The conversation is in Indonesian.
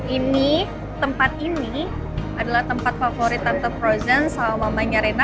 ini tempat ini adalah tempat favorit tante frozen sama mamanya rena